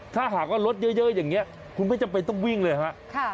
ถ้าหากว่ารถเยอะอย่างนี้คุณไม่จำเป็นต้องวิ่งเลยฮะ